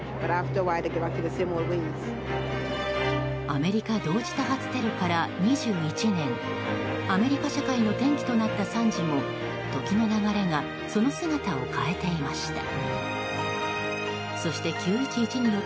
アメリカ同時多発テロから２１年アメリカ社会の転機となった惨事も時の流れがその姿を変えていました。